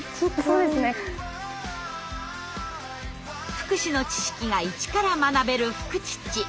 福祉の知識が一から学べる「フクチッチ」。